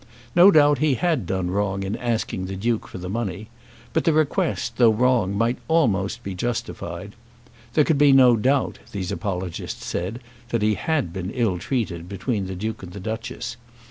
No doubt he had done wrong in asking the Duke for the money. But the request, though wrong, might almost be justified. There could be no doubt, these apologists said, that he had been ill treated between the Duke and the Duchess.